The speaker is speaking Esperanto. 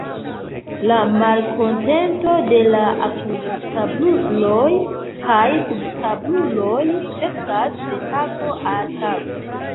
La malkontento de la apudtabluloj kaj subtabluloj kreskas de tago al tago.